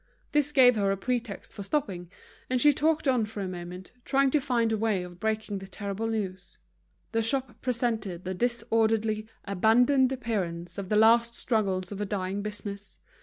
This gave her a pretext for stopping, and she talked on for a moment, trying to find a way of breaking the terrible news. The shop presented the disorderly, abandoned appearance of the last struggles of a dying business.